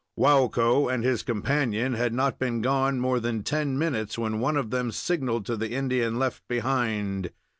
Waukko and his companion had not been gone more than ten minutes when one of them signaled to the Indian left behind.